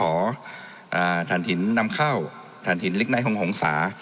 อ่าฐานถิ่นนำเข้าฐานถิ่นลิกไนท์ของหงษา